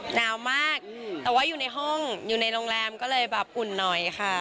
หนาวมากแต่ว่าอยู่ในห้องอยู่ในโรงแรมก็เลยแบบอุ่นหน่อยค่ะ